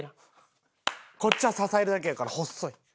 こっちは支えるだけやから細い。